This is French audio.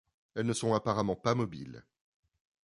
Elles ne sont apparemment pas mobiles.